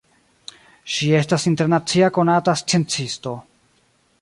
Ŝi estas internacia konata sciencisto.